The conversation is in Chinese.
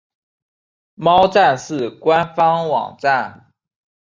猫战士官方网站